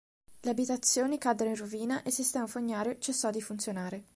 Le abitazioni caddero in rovina e il sistema fognario cessò di funzionare.